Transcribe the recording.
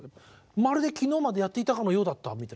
まるで昨日までやってたかのようだったみたいな感じですか？